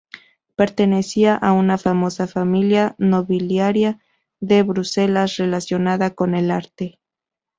Pertenecía a una famosa familia nobiliaria de Bruselas relacionada con el arte.